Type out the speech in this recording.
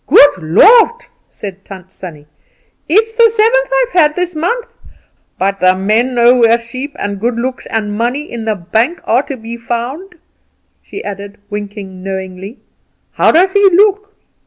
"Good Lord!" said Tant Sannie; "it's the seventh I've had this month; but the men know where sheep and good looks and money in the bank are to be found," she added, winking knowingly. "How does he look?"